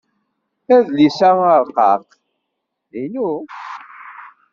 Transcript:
Adlis-a arqaq inu.